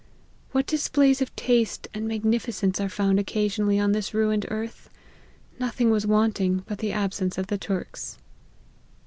What displays of taste and magnificence are found occasionally on this ruined earth ! Nothing was wanting but the absence of the Turks."